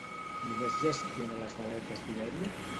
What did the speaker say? Només gestiona les maletes d'Ibèria?